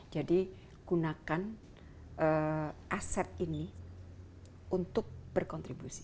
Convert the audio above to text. jadi gunakan aset ini untuk berkontribusi